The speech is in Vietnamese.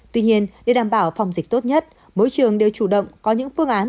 tuy nhiên để đảm bảo phòng dịch tốt nhất mỗi trường đều chủ động có những phương án